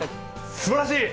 すばらしい！